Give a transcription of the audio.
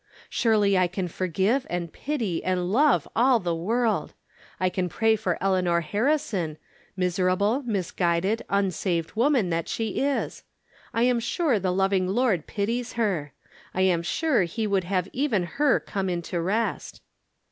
Surely I can for give and pity and love aU the world. I can pray for Eleanor Harrison, miserable, misguided, un saved woman that she is. I am sure the loving Lord pities her. I am sure he would have even her come into rest.